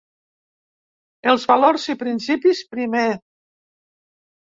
Els valors i principis, primer.